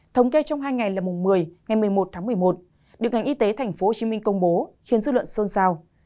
thống kê trong hai ngày là mùng một mươi ngày một mươi một tháng một mươi một được ngành y tế thành phố hồ chí minh công bố khiến dư luận xôn xào